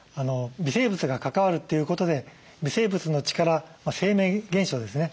微生物が関わるということで微生物の力生命現象ですね。